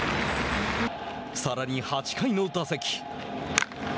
さらに８回の打席。